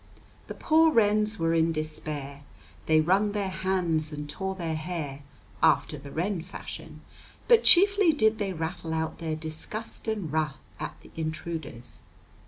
The poor wrens were in despair; they wrung their hands and tore their hair, after the wren fashion, but chiefly did they rattle out their disgust and wrath at the intruders.